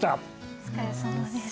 お疲れさまです。